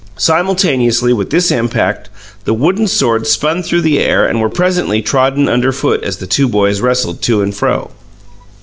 Simultaneously with this impact, the wooden swords spun through the air and were presently trodden underfoot as the two boys wrestled to and fro.